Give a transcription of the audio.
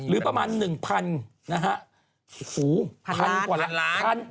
หรือประมาณ๑๐๐๐นะฮะ